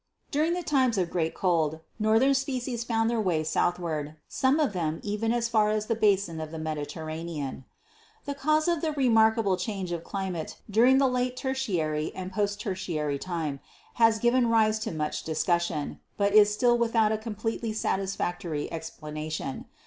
During the times of great cold 234 GEOLOGY northern species found their way southward, some of them even as far as the basin of the, Mediterranean/' The cause of the remarkable change of climate during late Tertiary and post Tertiary time has given rise to much discussion, but is still without a completely satisfac tory explanation.